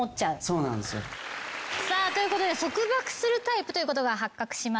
そうなんですよ。ということで束縛するタイプということが発覚しました。